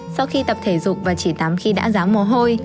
sau khi tập thể dục và chỉ tắm khi đã dáng mồ hôi